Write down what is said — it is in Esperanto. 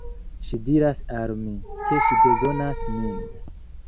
Ŝi diras al mi, ke ŝi bezonas min.